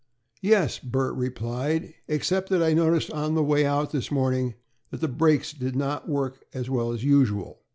"Yes," Bert replied, "except that I noticed on the way out this morning that the brake did not work as well as usual.